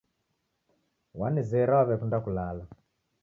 Wanizera waw'ekunda kulala.